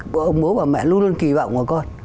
bố bà mẹ luôn luôn kỳ vọng của con